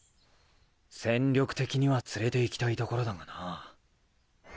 戦力的には連れていきたいところだがな。